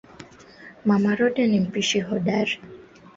uamuzi ambao maafisa wanalaumu kwa kuruhusu ushirika wa